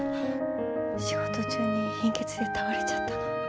仕事中に貧血で倒れちゃったの。